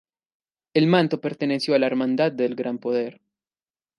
El manto perteneció a la Hermandad del Gran Poder.